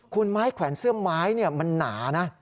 คุณไม้แขวนเสื้อไม้มันหนานะ